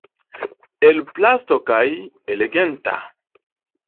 El plasto kaj „eleganta“.